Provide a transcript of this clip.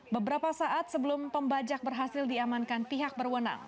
beberapa saat sebelum pembajak berhasil diamankan pihak berwenang